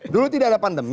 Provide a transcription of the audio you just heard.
dulu tidak ada pandemi